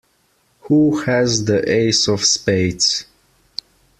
Who has the ace of spades?